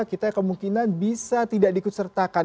kita kemungkinan bisa tidak diikutsertakan